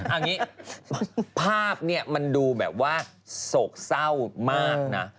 เอางี้ภาพเนี่ยมันดูแบบว่าโศกเศร้ามากนะ